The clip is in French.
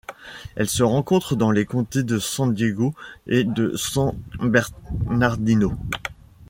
Elle se rencontre dans les comtés de San Diego et de San Bernardino.